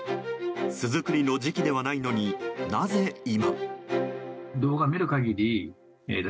巣作りの時期ではないのになぜ今？